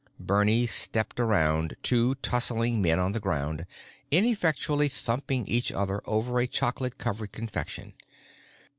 Bernie stepped around two tussling men on the ground, ineffectually thumping each other over a chocolate covered confection.